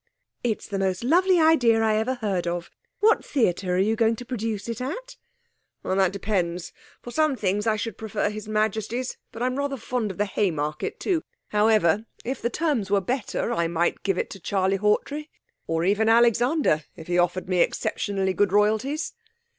'It's the most lovely idea I ever heard of. What theatre are you going to produce it at?' 'That depends. For some things I should prefer His Majesty's, but I'm rather fond of the Haymarket, too. However, if the terms were better, I might give it to Charlie Hawtrey, or even Alexander, if he offered me exceptionally good royalties.'